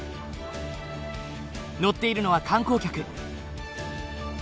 乗っているのは観光客。